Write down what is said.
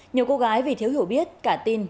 nhiều cô gái vì thiếu hiểu biết cả tin